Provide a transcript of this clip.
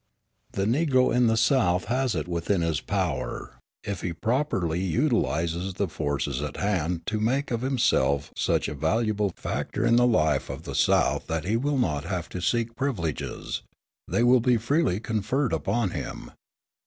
The Negro in the South has it within his power, if he properly utilises the forces at hand, to make of himself such a valuable factor in the life of the South that he will not have to seek privileges, they will be freely conferred upon him.